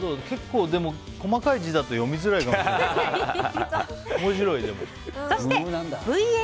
結構、細かい字だと読みづらいかもしれない。